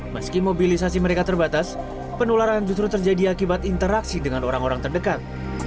meski mobilisasi mereka terbatas penularan justru terjadi akibat interaksi dengan orang orang terdekat